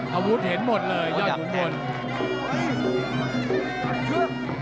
พระวุฒิเห็นหมดเลยยอดขุมบน